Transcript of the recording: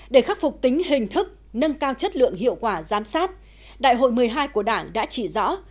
để khắc phục tính hình thức nâng cao chất lượng hiệu quả giám sát đại hội một mươi hai của đảng đã chỉ rõ